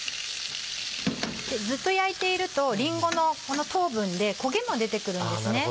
ずっと焼いているとりんごのこの糖分で焦げも出てくるんですね。